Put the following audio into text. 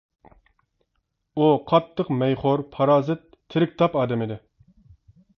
ئۇ قاتتىق مەيخور، پارازىت، تىرىكتاپ ئادەم ئىدى.